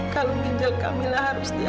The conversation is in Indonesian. kalau ginjal camilla harus diambil